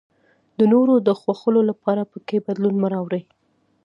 د نورو د خوښولو لپاره پکې بدلون مه راولئ.